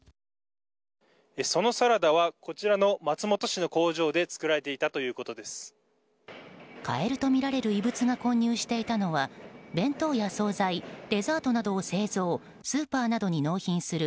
そのサラダは、こちらの松本市の工場でカエルとみられる異物が混入していたのは弁当や総菜、デザートなどを製造スーパーなどに納品する